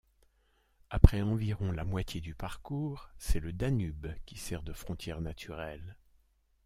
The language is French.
Après environ la moitié du parcours, c'est le Danube qui sert de frontière naturelle.